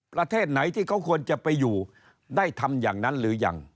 ประเทศไหนที่เขาควรจะไปอยู่ได้ทำอย่างนั้นหรือยัง